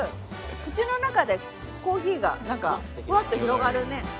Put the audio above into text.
口の中でコーヒーがふわっと広がるね。